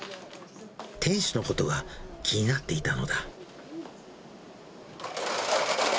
店主のことが気になっていたのだ。